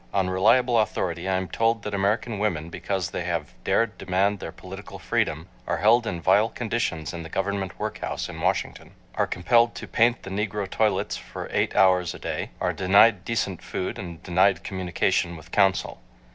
On reliable authority I am told that American women, because they have dared demand their political freedom, are held in vile conditions in the Government workhouse in Washington; are compelled to paint the negro toilets for eight hours a day; are denied decent food and denied communication with counsel.